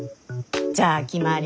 じゃあ決まり。